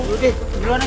oke duluan deh